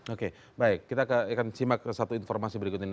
oke baik kita akan simak satu informasi berikut ini